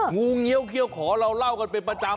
งูเงี้ยวเขี้ยวขอเราเล่ากันเป็นประจำ